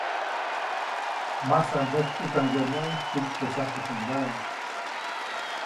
Masandäjkʼukaŋgäʼmäʼuŋ tyäkpätsajku teʼ ŋgaʼe.